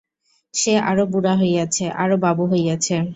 সে আরও বুড়া হইয়াছে, আরও বাবু হইয়াছে।